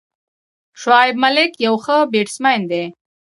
شعیب ملک یو ښه بیټسمېن دئ.